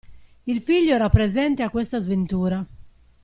Il figlio era presente a questa sventura.